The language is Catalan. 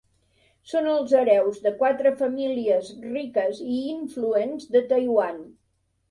Són els hereus de quatre famílies riques i influents de Taiwan.